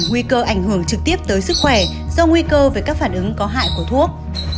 nguy cơ ảnh hưởng trực tiếp tới sức khỏe do nguy cơ về các phản ứng có hại của thuốc